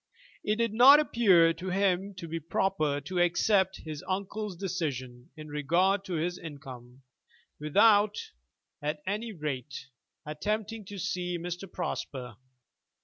It did not appear to him to be proper to accept his uncle's decision in regard to his income, without, at any rate, attempting to see Mr. Prosper.